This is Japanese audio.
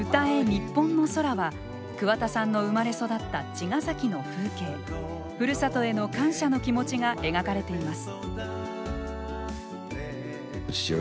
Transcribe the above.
ニッポンの空」は桑田さんの生まれ育った茅ヶ崎の風景ふるさとへの感謝の気持ちが描かれています。